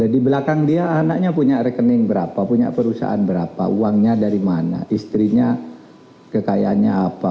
di belakang dia anaknya punya rekening berapa punya perusahaan berapa uangnya dari mana istrinya kekayaannya apa